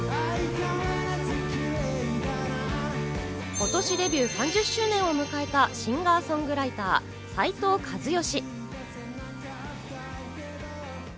今年デビュー３０周年を迎えたシンガー・ソングライター、斉藤和義。